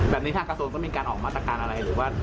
แบบนี้ทางกระโสนก็มีการออกมาตรการอะไรหรือว่า